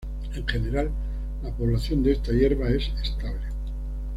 En general, la población de esta hierba es estable.